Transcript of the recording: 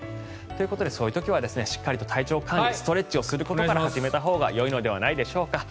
ということで、そういう時はしっかりと体調管理ストレッチをすることから始めたほうがよいのではないでしょうか。